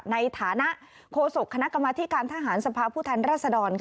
ในฐานะโฆษกคณะกรรมธิการทหารสภาพผู้แทนรัศดร